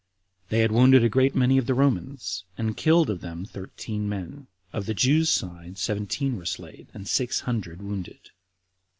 They had wounded a great many of the Romans, and killed of them thirteen men; of the Jews' side seventeen were slain, and six hundred wounded.